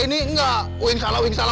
ini enggak win kala win salah